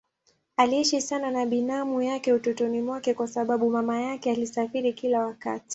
Aliishi sana na binamu yake utotoni mwake kwa sababu mama yake alisafiri kila wakati.